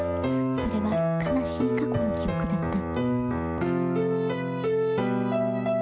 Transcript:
それは悲しい過去の記憶だった。